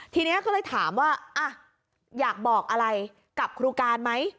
ทีนี้ก็เลยถามว่าอยากบอกอะไรกับครูการไหม